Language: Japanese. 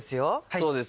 そうです。